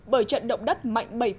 bởi trận động đất mạnh bảy ba độ richter